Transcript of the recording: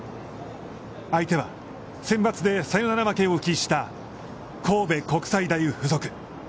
相手は、センバツでサヨナラ負けを喫した神戸国際大付属。